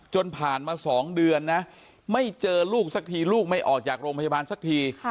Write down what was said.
ผ่านมา๒เดือนนะไม่เจอลูกสักทีลูกไม่ออกจากโรงพยาบาลสักที